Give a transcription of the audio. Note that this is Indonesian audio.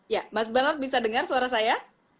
ya mas bernard bisa dengar suara saya